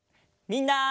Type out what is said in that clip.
みんな。